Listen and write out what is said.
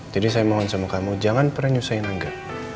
jadi saya mohon sama kamu jangan pernah nyusahin angga